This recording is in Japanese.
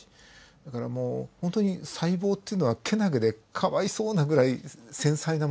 だからもうほんとに細胞っていうのはけなげでかわいそうなぐらい繊細なもので。